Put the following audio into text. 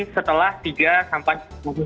setelah tiga sampai sepuluh